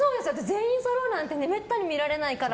全員そろうなんてめったに見られないから。